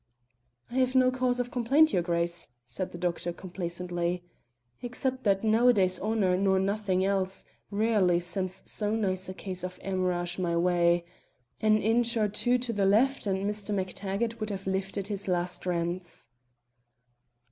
"I have no cause of complaint, your Grace," said the doctor complacently, "except that nowadays honour nor nothing else rarely sends so nice a case of hemorrhage my way. An inch or two to the left and Mr. MacTaggart would have lifted his last rents."